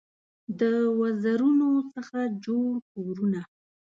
د وزرونو څخه جوړ کورونه